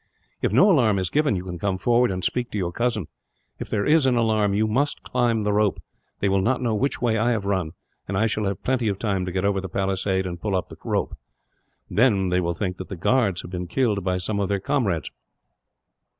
"If no alarm is given, you can come forward and speak to your cousin. If there is an alarm, you must climb the rope. They will not know which way I have run, and I shall have plenty of time to get over the palisade and pull up the rope; then they will think that the guards have been killed by some of their comrades."